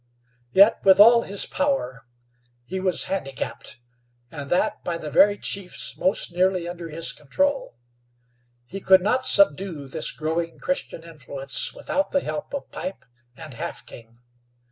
Yet, with all his power, he was handicapped, and that by the very chiefs most nearly under his control. He could not subdue this growing Christian influence without the help of Pipe and Half King.